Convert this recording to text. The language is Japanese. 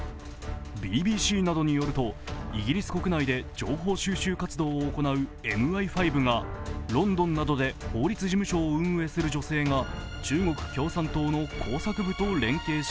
ＢＢＣなどによるとイギリス国内で情報収集活動を行うＭＩ５がロンドンなどで法律事務所を運営する女性が